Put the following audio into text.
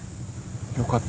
よかった。